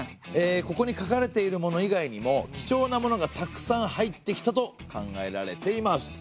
ここに書かれているもの以外にも貴重なものがたくさん入ってきたと考えられています。